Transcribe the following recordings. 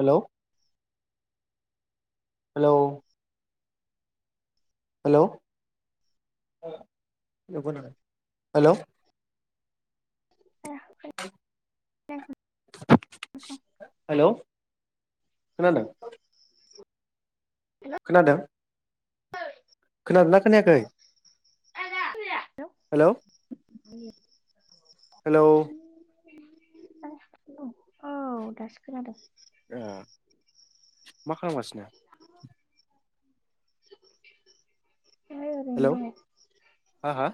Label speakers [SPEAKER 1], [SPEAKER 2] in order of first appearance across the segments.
[SPEAKER 1] Hello hello hello hello
[SPEAKER 2] ए
[SPEAKER 1] [inaudible]
[SPEAKER 2] दासो
[SPEAKER 1] hello खोनादों? खोनादों?
[SPEAKER 2] ओइ
[SPEAKER 1] खोनादोंना खोनायाखै? हेलौ।
[SPEAKER 2] [unintelligible]
[SPEAKER 1] हेलौ
[SPEAKER 2] औ दासो खोनादों।
[SPEAKER 1] ओ मा खालामगासिनो?
[SPEAKER 2] [inaudible] नोय
[SPEAKER 1] हेलौ
[SPEAKER 2] ओरैनो दङ।
[SPEAKER 1] हा हा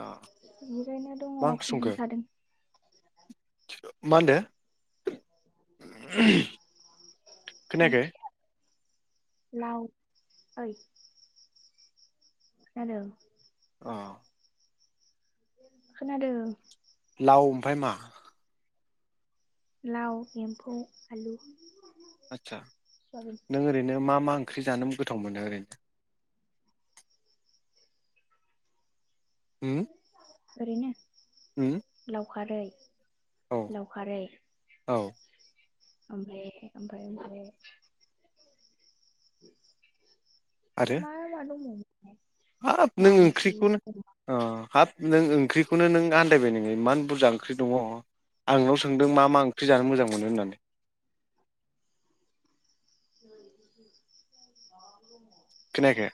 [SPEAKER 1] अ
[SPEAKER 2] जिरायना दङ
[SPEAKER 1] मा ओंख्रि
[SPEAKER 2] खर'
[SPEAKER 1] संखो
[SPEAKER 2] सादों
[SPEAKER 1] मा होनदो खोनायाखै
[SPEAKER 2] ओंख्रि लाव ओइ हेलौ
[SPEAKER 1] अ
[SPEAKER 2] खोनादों
[SPEAKER 1] दाउ ओमफाय मा
[SPEAKER 2] लाव एम्फौ आलु
[SPEAKER 1] आतसा
[SPEAKER 2] सवाबिन
[SPEAKER 1] नों ओरैनो मा मा ओंख ओंख्रि जानो गोथाव मोनो ओरैनो उम
[SPEAKER 2] ओरैनो
[SPEAKER 1] हम
[SPEAKER 2] अखारै लावखारै
[SPEAKER 1] औ
[SPEAKER 2] ओमफ्राय ओफ्राय आरो
[SPEAKER 1] आरो
[SPEAKER 2] [inaudible] मा मा दंमोन
[SPEAKER 1] हाब नों ओंख्रिखौनो हाब नों ओंख्रिखौनो नों आदायबाय नों इमान बुरजा ओंख्रि दङ आं नोंनाव सोंदों मा मा ओंख्रि जानो मोजां मोनो होननानै
[SPEAKER 2] [unintelligible]
[SPEAKER 1] खोनायाखै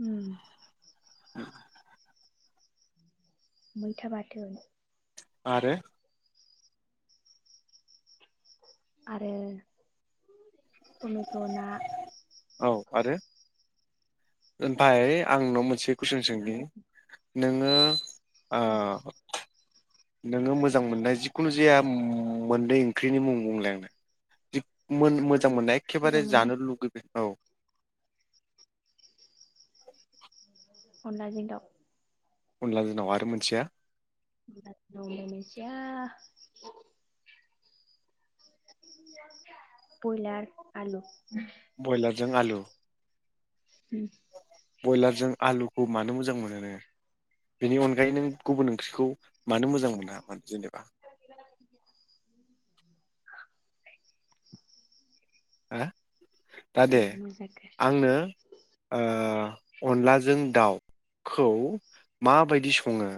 [SPEAKER 2] उम
[SPEAKER 1] [inaudible]
[SPEAKER 2] मैथा बाथोन
[SPEAKER 1] आरो
[SPEAKER 2] आरो टमेट' ना
[SPEAKER 1] औ आरो ओमफाय आं नोंनाव मोनसे खुइसन सोंनि
[SPEAKER 2] बेफोरबायदि
[SPEAKER 1] नोङो ओ नोङो मोजां मोननाय जिखुनु जाया मोननै ओंख्रिनि मुं बुंलाय आंनो मोजां मोननाय एखे बारे
[SPEAKER 2] मोजां मोननाय
[SPEAKER 1] जानो लुगैबाय औ [inaudible]
[SPEAKER 2] अनलाजों दाव
[SPEAKER 1] अनला जों दाव आरो मोनसेया
[SPEAKER 2] अनला जों दाव आरो मोनसेया बयलार आलु
[SPEAKER 1] ब्रयलारजों आलु बयलारजों आलुखौ मानो मोजां मोनो नोङो बेनि अनगायै नों गुबुन ओंख्रिखौ मानो मोजां मोना मानो जेनेबा-? आ दा दे
[SPEAKER 2] जि मोजांखा
[SPEAKER 1] आंनो ओ अनलाजों दाउखौ माबायदि सङो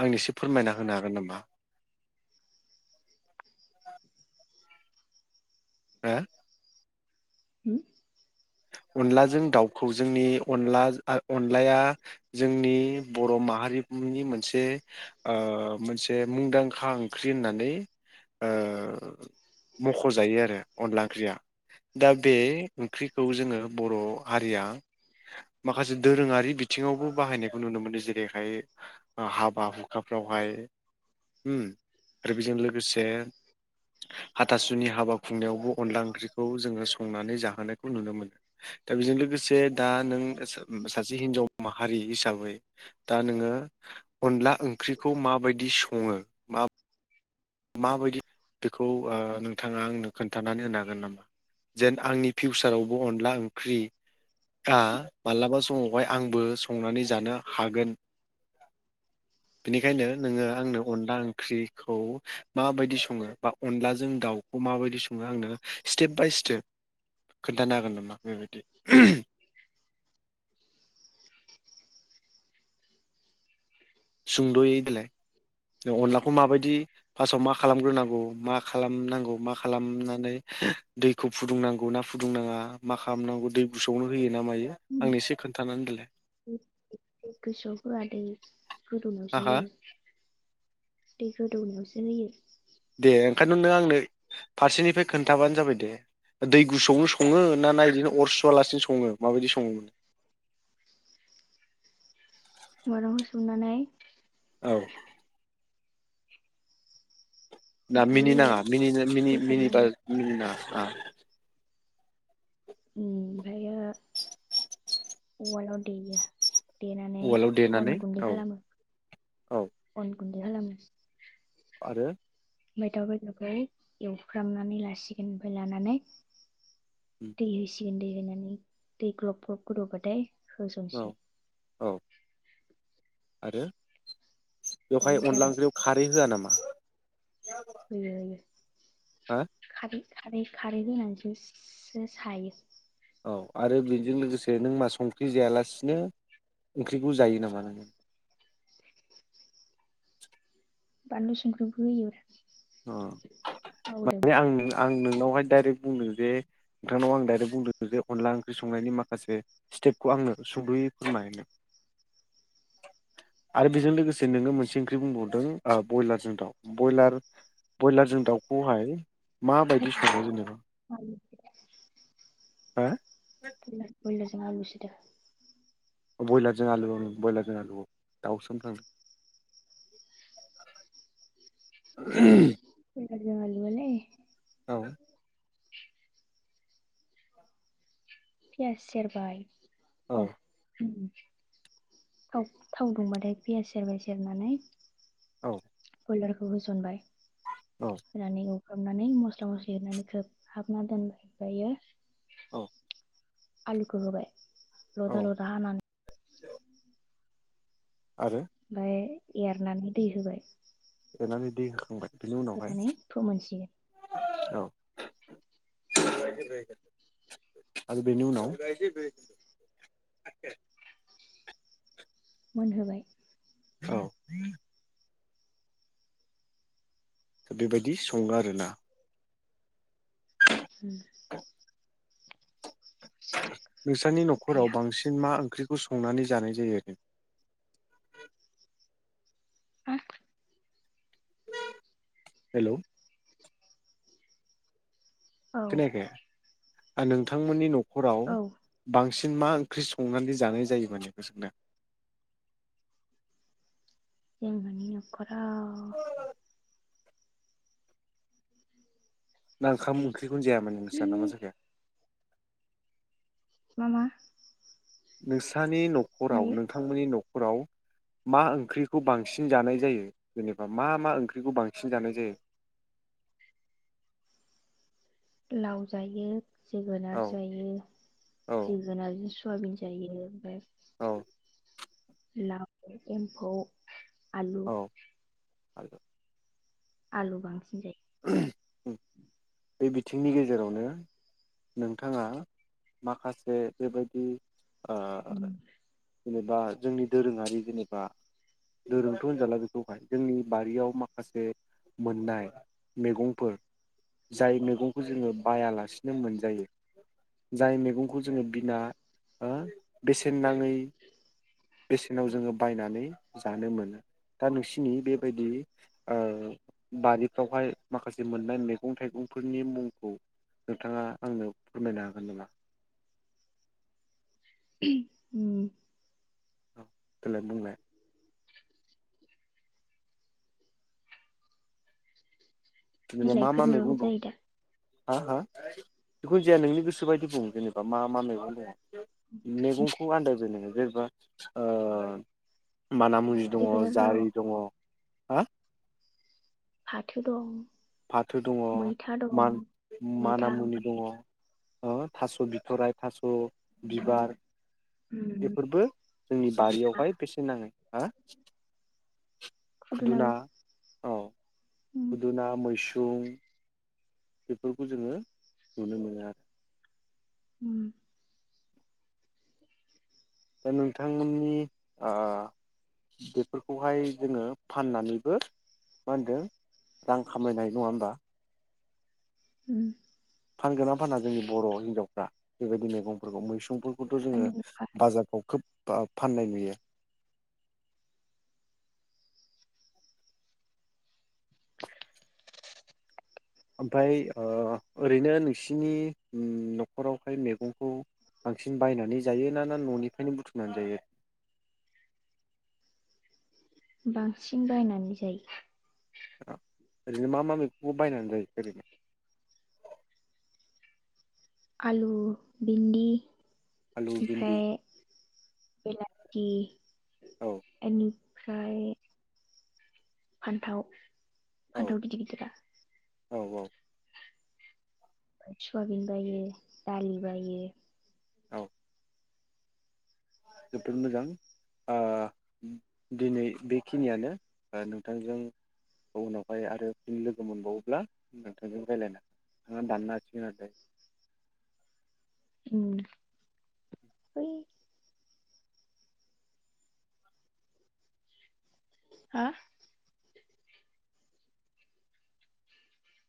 [SPEAKER 1] आंनि एसे फोरमायना होनो हागोन नामा? हो
[SPEAKER 2] होम
[SPEAKER 1] अनलाजों दाउखौ जोंनि अनला अनलाया जोंनि बर' माहारिनि मोनसे ओ मोनसे मुंदांखा ओंख्रि होननानै ओ मख'जायो आरो अनला ओंख्रिया दा बे ओंख्रि खौ जोङो बर' हारिया माखासे दोरोङारि बिथिङावबो बाहायनायखौ नुनो मोनो जेरैहाय ओ हाबा हुखाफ्रावहाय आरो होम बेजों लोगोसे हाथासुनि हाबा खुंनायावबो अनला ओंख्रिखौ जोङो संनानै जाहोनो खौ नुनो मोनो दा बेजों लोगोसे दा नों सा सासे हिनजाव माहारि हिसाबै दा नोङो अनला ओंख्रिखौ माबायदि सङो मा माबायदि बेखौ ओ नोंथाङा आंनो खोन्थानानै होनो हागोन नामा जेन आंनि फिउचारावबो अनला ओंख्रि आ मालाबा समावहाय आंबो संनानै जानो हागोन बेनिखायनो नोङो आंनो अनला ओंख्रिखौ माबायदि सङो बा अनलाजों दाउखौ माबायदि सङो आंनो स्टेप बाय स्टेप खोन्थानो हागोन नामा बेबायदि? सुंद'यै देलाय अनलाखौ माबायदि फार्स्टआव मा खालामग्रोनांगौ मा खालामनांगौ मा खालामनानै दैखौ फुदुंनांगौ ना फुदुंनाङा? मा खालामनांगौ दै बुसावनो होयो ना मायो आंनि एसे खोन्थानानै देलाय?
[SPEAKER 2] गोसोआव होआ दै गोदौनायावसो
[SPEAKER 1] आहा
[SPEAKER 2] होयो। दै गोदौनायावसो होयो।
[SPEAKER 1] दे ओंखायनोथ' नों आंनो फारसेनिफ्राय खोनथाबानो जाबाय दे दै गुसुआवनो सङो ना ना बिदिनो अर सुवालासिनो सङो माबायदि सङोमोन?
[SPEAKER 2] मायरंखौ सुनानै
[SPEAKER 1] औ ना मिनि
[SPEAKER 2] ओमफ्रायो
[SPEAKER 1] नाङा मिनिनो मिनि मिनिबा
[SPEAKER 2] बोखांनानै
[SPEAKER 1] मिनि नाङा आ [unintelligible]
[SPEAKER 2] ओमफ्रायो अवालाव देयो। देनानै
[SPEAKER 1] उवालाव
[SPEAKER 2] अन
[SPEAKER 1] देनानै
[SPEAKER 2] गुन्दै
[SPEAKER 1] औ
[SPEAKER 2] खालामो
[SPEAKER 1] औ
[SPEAKER 2] अन गुन्दै खालामो।
[SPEAKER 1] आरो।
[SPEAKER 2] ओमफ्राय दाउ बेदरखौ एवफ्रामनानै लासिगोन ओमफ्राय लानानै दै होसिगोन। गोन दै होनानै दै ग्लब ग्लब गोदौबाथाय
[SPEAKER 1] औ
[SPEAKER 2] होसनसिगोन
[SPEAKER 1] औ आरो। बेवहाय
[SPEAKER 2] ओमफ्राय
[SPEAKER 1] अनदला
[SPEAKER 2] जाबाय
[SPEAKER 1] ओंख्रियाव खारै होआ नामा?
[SPEAKER 2] होयो होयो
[SPEAKER 1] हा
[SPEAKER 2] खारै खारै खारै होनानैसो [unintelligible] सायो
[SPEAKER 1] औ आरो बेजों लोगोसे नों मा संख्रि जायालासिनो ओंख्रिखौ जायो नामा नोङो
[SPEAKER 2] बानलु संख्रिखौ होयो ब्रा
[SPEAKER 1] अ माने आं आं नोंनावहाय डाइरेक्ट बुंदों जे नोंथांनाव आं दाइरेक्ट बुंदों जे अनला ओंख्रि संनायनि माखासे स्टेपखौ आंनो सुंद'यै फोरमायनो आरो बेजों लोगोसे नोङो मोनसे ओंख्रि बुंबावदों ओ ब्रयलारजों दाउ ब्रयलार ब्रयलारजों दाउखौहाय
[SPEAKER 2] थोद
[SPEAKER 1] माबायदि सङो जेनेबा
[SPEAKER 2] बयलार
[SPEAKER 1] हो
[SPEAKER 2] [unintelligible] बयलारजों आलुसोदा
[SPEAKER 1] अ ब्रयलारजों आलु ओं ब्रयलारजों आलु अ दाउसो होनफ्लांदो [unintelligible]
[SPEAKER 2] [unintelligible]
[SPEAKER 1] औ
[SPEAKER 2] पियास सेरबाय
[SPEAKER 1] औ
[SPEAKER 2] अ थाव थाव दुंबाथाय पियास सेरबाय सेरनानै
[SPEAKER 1] औ
[SPEAKER 2] बइलारखौ होसनबाय
[SPEAKER 1] औ
[SPEAKER 2] रानिगौ हाबनानै मस्ला मस्लि होनरनानै खोब हाबना दोनबाय ओमफ्रायो
[SPEAKER 1] औ
[SPEAKER 2] आलुखौ होबाय
[SPEAKER 1] औ
[SPEAKER 2] लदा लदा हानानै
[SPEAKER 1] आरो
[SPEAKER 2] ओमफ्राय एरनानै दै होबाय
[SPEAKER 1] देनानै दै होखांबाय बेनि उनावहाय
[SPEAKER 2] होनानै फोमोनसिगोन
[SPEAKER 1] [unintelligible] आरो बेनि उनाव [unintelligible]
[SPEAKER 2] मोनहोबाय
[SPEAKER 1] औ बेबायदि सङो आरोना
[SPEAKER 2] [inaudible]
[SPEAKER 1] [unintelligible] नोंसोरनि न'खराव
[SPEAKER 2] आया
[SPEAKER 1] बांसिन मा ओंख्रि खौ संनानै जानाय जायो आरो
[SPEAKER 2] आ
[SPEAKER 1] हेलौ
[SPEAKER 2] औ
[SPEAKER 1] खोनायाखै आं नोंथांमोननि न खराव
[SPEAKER 2] औ
[SPEAKER 1] बांसिन मा ओंख्रि संनानै जानाय जायो माने बेखौ सोंदों
[SPEAKER 2] जों मानि न'खराव
[SPEAKER 1] ओंखाम ओंख्रि जिखुन जाया [unintelligible]
[SPEAKER 2] मामा
[SPEAKER 1] नोंसोर नोंथांनि न'खराव नोंथांमोननि न'खर फोराव मा ओंख्रिखौ बांसिन जानाय जायो जेनेबा मा मा ओंख्रिखौ बांसिन जानाय जायो
[SPEAKER 2] लावजायो जोगोनार
[SPEAKER 1] औ
[SPEAKER 2] जायो
[SPEAKER 1] औ
[SPEAKER 2] जोगोनारजों सुवाबिन जायो ओमफ्राय
[SPEAKER 1] औ
[SPEAKER 2] लाव मैगंखौ आलु
[SPEAKER 1] आ
[SPEAKER 2] आलु बांसिन जायो
[SPEAKER 1] उम बे बिथिंनि गेजेरावनो नोंथाङा माखासे बेबायदि अ
[SPEAKER 2] जायो
[SPEAKER 1] जेनेबा जोंनि दोरोङारि जेनेबा दोरोंथ' होनजाला बेखौहाय जोंनि बारियाव माखासे मोननाय मैगंफोर जाय मैगंखौ जोङो बायालासिनो मोनजायो जाय मैगंखौ जोङो बिना बेसेन नाङै बेसेनाव जोङो बायनानै जानो मोनो दा नोंसिनि बेबायदि बारिफ्रावहाय माखासे मोननाय मैगं थाइगंफोरनि मुंखौ नोंथाङा आंनो फोरमायनो हागोन नामा
[SPEAKER 2] उम
[SPEAKER 1] औ देलाय बुंलाय जेनेबा मा मा मैग
[SPEAKER 2] बिलाइफोरनिबाबो
[SPEAKER 1] दं
[SPEAKER 2] जायो दा
[SPEAKER 1] हा हा जिखुनु जाया नोंनि गोसो बायदि बुं जेनेबा मा मा मैगं द मैगंखौ आनदायबाय नोङो जेनेबा अ मानामुनि दङ
[SPEAKER 2] जोगोनार दं
[SPEAKER 1] जारि दङ हा
[SPEAKER 2] फाथो दं
[SPEAKER 1] फाथो दङ
[SPEAKER 2] मैथा दं
[SPEAKER 1] माना
[SPEAKER 2] मैथा
[SPEAKER 1] मुनि
[SPEAKER 2] ओमफ्राय
[SPEAKER 1] दङ थास' बिथराय थास' बिबार
[SPEAKER 2] उम
[SPEAKER 1] बेफोरबो जोंनि
[SPEAKER 2] खुदुना
[SPEAKER 1] बारियावहाय बेसेन नाङै हा खुदुना
[SPEAKER 2] खुदुनाबो
[SPEAKER 1] औ
[SPEAKER 2] उम
[SPEAKER 1] खुदुना मैसु बुं बेफोरखौ जोङो नुनो मोनो आरो
[SPEAKER 2] उम
[SPEAKER 1] दा नोंथांमोननि ओ बेफोरखौहाय जोङो फाननानैबो मा होनदों रां खामायनाय नङा होमबा
[SPEAKER 2] उम
[SPEAKER 1] फानगोना फाना जोंनि बर' हिनजावफ्रा बेबायदि मैगंफोरखौ मैसुंफोरखौ खौथ' जोङो
[SPEAKER 2] आलुखौ
[SPEAKER 1] बाजारफोराव खोब फा-फाननाय नुयो ओमफ्राय ओ ओरैनो नोंसिनि न'खरावहाय मैगंखौ बांसिन बायनानै जायो ना ना न'निफ्रायनो बुथुमनानै जायो?
[SPEAKER 2] बांसिन बायनानै जायो
[SPEAKER 1] ओरैनो मा मा मैगंखौ बायनानै जायो ओरैनो
[SPEAKER 2] आलु भिन्दि
[SPEAKER 1] आलु भिन्दि
[SPEAKER 2] ओमफ्राय बेलाथि
[SPEAKER 1] औ
[SPEAKER 2] एनि ओमफ्राय फान्थाव
[SPEAKER 1] औ
[SPEAKER 2] फान्थाव गिदिर गिदिर आ
[SPEAKER 1] औ औ
[SPEAKER 2] सुवाबिन बायो दालि बायो
[SPEAKER 1] औ जोबोद मोजां ओ दिनै बेखिनियानो नोंथांजों उनावहाय आरोनि लोगो मोनबावोब्ला नोंथांजों रायज्लायनो हागोन नोंथाङा दाननो हासिगोन आरो दायो
[SPEAKER 2] उम बै हा